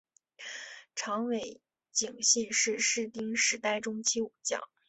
长尾景信是室町时代中期武将。